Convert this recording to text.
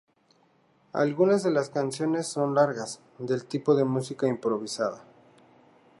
Algunas de las canciones son largas, del tipo de música improvisada.